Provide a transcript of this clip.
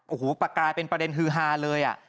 โอ้โหประกลายเป็นประเด็นฮือฮาเลย